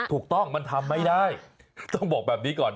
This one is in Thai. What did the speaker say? ถูกต้องมันทำไม่ได้ต้องบอกแบบนี้ก่อน